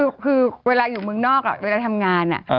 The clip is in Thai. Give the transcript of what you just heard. คือเวลาอยู่เมืองนอกเวลาทำงาน